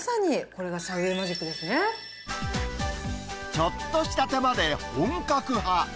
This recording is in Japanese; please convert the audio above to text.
ちょっとした手間で本格派。